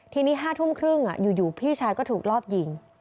ทีนี้๕ทุ่มครึ่งอยู่พี่ชายก็ถูกรอบยิง